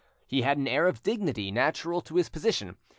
He had an air of dignity natural to his position.